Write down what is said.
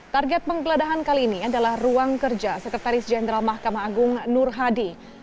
target penggeledahan kali ini adalah ruang kerja sekretaris jenderal mahkamah agung nur hadi